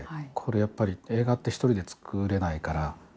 やっぱり映画って１人で作れないから。